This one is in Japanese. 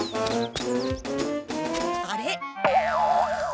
あれ？